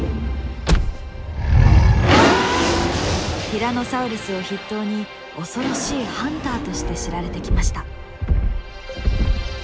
ティラノサウルスを筆頭に恐ろしいハンターとして知られてきました。